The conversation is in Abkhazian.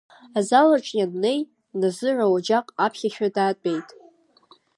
Азалаҿы ианнеи, Назыр ауаџьаҟ аԥхьашәа даатәеит.